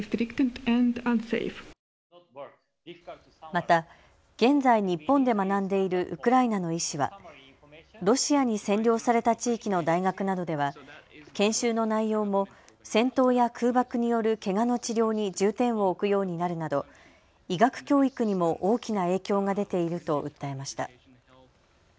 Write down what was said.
また現在、日本で学んでいるウクライナの医師はロシアに占領された地域の大学などでは研修の内容も戦闘や空爆によるけがの治療に重点を置くようになるなど医学教育にも大きな影響が出ていると訴えました。